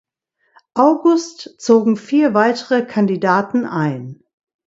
August zogen vier weitere Kandidaten ein.